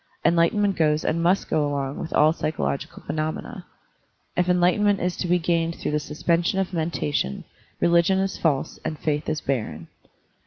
Enlightenment goes and must go along with all psychological phenomena. If enlightenment is to be gained through the suspension of mentation, religion is false and faith is barren.